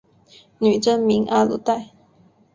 女真名阿鲁带。